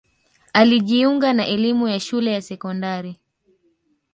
alijiunga na elimu ya shule ya sekondari